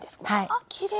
あっきれい！